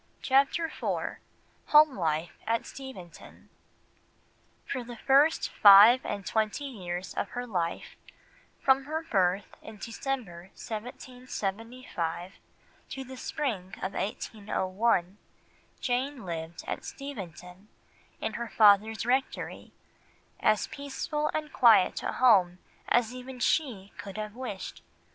CHAPTER IV HOME LIFE AT STEVENTON For the first five and twenty years of her life, from her birth in December 1775 to the spring of 1801, Jane lived at Steventon, in her father's rectory, as peaceful and quiet a home as even she could have wished.